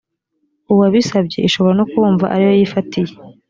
uwabisabye ishobora no kubumva ari yo yifatiye